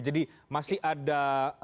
jadi masih ada